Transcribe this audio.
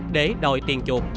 để đòi tiền chuộng